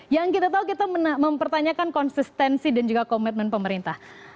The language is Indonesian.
yang kita tahu kita mempertanyakan konsistensi dan juga komitmen pemerintah